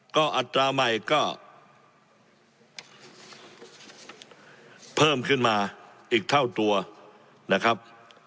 ก็อัตราใหม่ก็เพิ่มขึ้นมาอีกเท่าตัวนะครับ